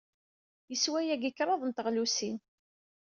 Yeswa yagi kraḍt n teɣlusin.